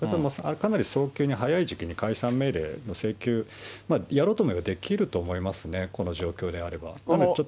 かなり早急に、早い時期に解散命令の請求、やろうと思えばできると思いますね、この状況であれば。